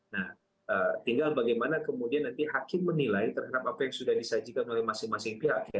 nah tinggal bagaimana kemudian nanti hakim menilai terhadap apa yang sudah disajikan oleh masing masing pihak ya